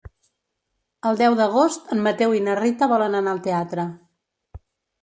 El deu d'agost en Mateu i na Rita volen anar al teatre.